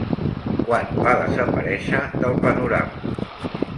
Quan va desaparèixer del panorama?